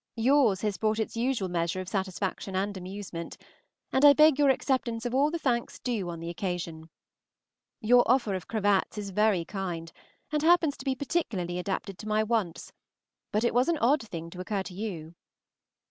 Yours has brought its usual measure of satisfaction and amusement, and I beg your acceptance of all the thanks due on the occasion. Your offer of cravats is very kind, and happens to be particularly adapted to my wants, but it was an odd thing to occur to you.